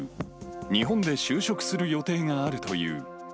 日本で就職する予定があるという。